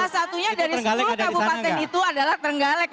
dan salah satunya dari sepuluh kabupaten itu adalah trenggalek